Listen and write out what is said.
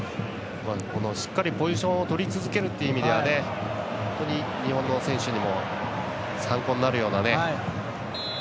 しっかりポジションをとり続けるという意味では本当に日本の選手にも参考になるようなね。